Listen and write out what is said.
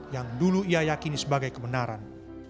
yang dulu ia yakini sebagai kebenaran